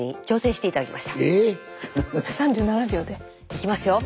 いきますよ。